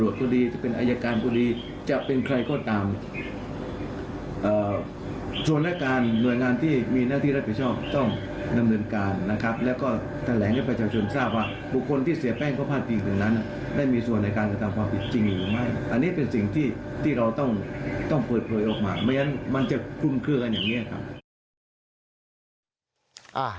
ไม่อย่างนั้นมันจะคุ้มเครือกันอย่างนี้ครับ